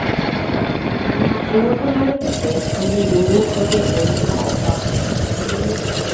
Og̃uahẽvo pyharepyte angirũmi oje'ói ha opa pajemi